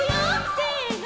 せの！